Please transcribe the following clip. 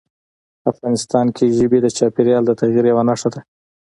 افغانستان کې ژبې د چاپېریال د تغیر یوه نښه ده.